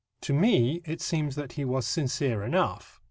To me it seems that he was sincere enough.